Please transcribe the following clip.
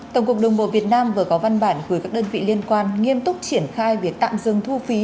tổng cục đường bộ việt nam vừa có văn bản gửi các đơn vị liên quan nghiêm túc triển khai việc tạm dừng thu phí